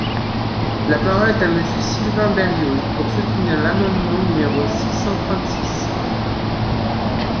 La parole est à Monsieur Sylvain Berrios, pour soutenir l’amendement numéro six cent trente-six.